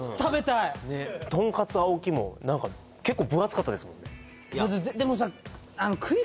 とんかつ檍も結構分厚かったですもんね